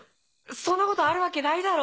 そんなことあるわけないだろ！